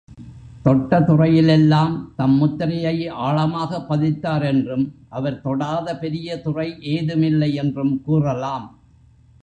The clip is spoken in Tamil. தொட்ட துறையிலெல்லாம் தம் முத்திரையை ஆழமாகப் பதித்தாரென்றும் அவர் தொடாத பெரிய துறை ஏதுமில்லை என்றும் கூறலாம்.